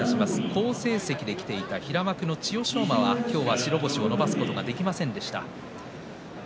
好成績できていた平幕の千代翔馬は今日は白星を伸ばすことができませんでした。